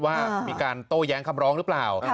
ว่ามีการโต้แย้งคำร้องหรือเปล่า